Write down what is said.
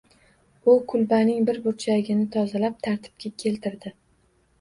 U kulbaning bir burchagini tozalab, tartibga keltirdi